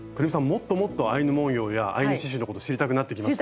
もっともっとアイヌ文様やアイヌ刺しゅうのこと知りたくなってきました？